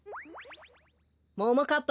ももかっぱ